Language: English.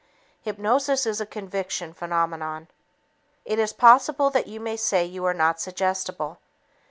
Hypnosis is a conviction phenomenon. It is possible you may say you are not suggestible.